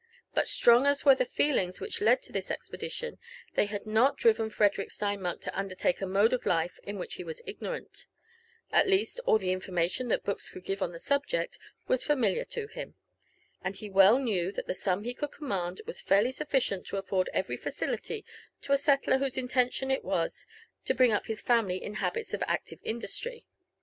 But strong as were the feelings which led to this expedition, they had not driven Frederick Steinmark to undertake a mode of life of which he was ignorant : at least all the information that books could give on the subject was fa miliar to him, and he well knew that the sum he could command was fully sufficient to afford every facility to a settler whose intention it was to bring up his family in habits of active industry.